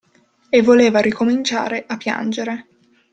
E voleva ricominciare a piangere.